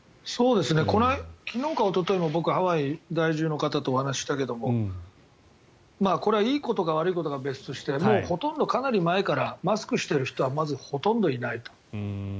昨日かおとといも僕、ハワイ在住の方と話したけどこれはいいことか悪いことかは別としてかなり前からマスクしている人はまずほとんどいないと。